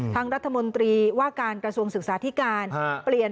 ทั้งรัฐมนตรีว่าการกระทรวงศึกษาที่การ